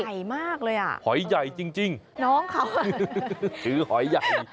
ใหญ่มากเลยอ่ะหอยใหญ่จริงจริงน้องเขาถือหอยใหญ่